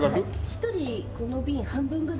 １人この瓶半分ぐらい。